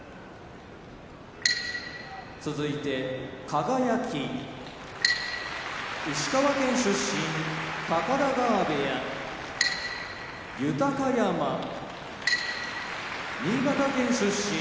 輝石川県出身高田川部屋豊山新潟県出身